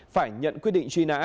phải nhận quyết định truy nã